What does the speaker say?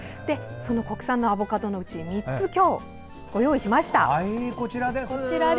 その国産のアボカドのうち３つ、今日ご用意しました。